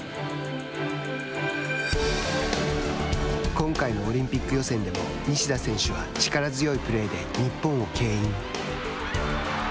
今回のオリンピック予選でも西田選手は力強いプレーで日本をけん引。